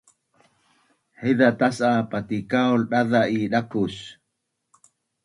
Haiza tas’a patikaul daza’ i dakus